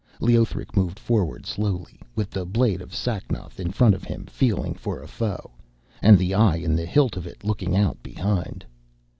Leothric moved forward slowly with the blade of Sacnoth in front of him feeling for a foe, and the eye in the hilt of it looking out behind.